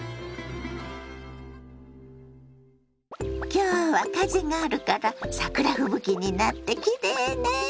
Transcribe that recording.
今日は風があるから桜吹雪になってキレイね。